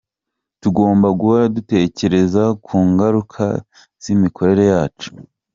“Tugomba guhora dutekereza ku ngaruka z’imikorere yacu.